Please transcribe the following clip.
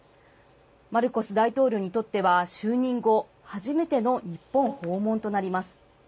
マルコス大統領にとっては就任後初めての日本訪問となります。